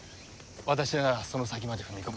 私ならその先まで踏み込む。